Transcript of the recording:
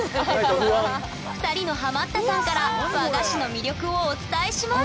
２人のハマったさんから和菓子の魅力をお伝えします！